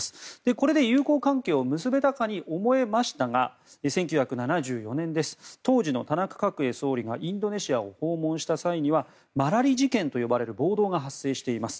これで友好関係を結べたかに思えましたが１９７４年当時の田中角栄総理がインドネシアを訪問した際にはマラリ事件と呼ばれる暴動が発生しています。